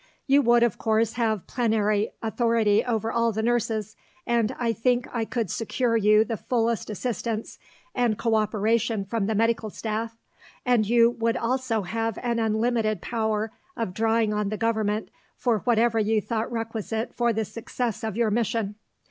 You would of course have plenary authority over all the nurses, and I think I could secure you the fullest assistance and co operation from the medical staff, and you would also have an unlimited power of drawing on the Government for whatever you thought requisite for the success of your mission.